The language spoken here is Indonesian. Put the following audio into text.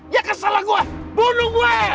ya kesel gua bunuh gue